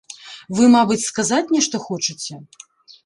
Вы, мабыць, сказаць нешта хочаце?